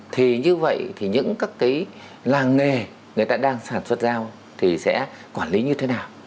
thì như vậy thì những các cái làng nghề người ta đang sản xuất dao thì sẽ quản lý như thế nào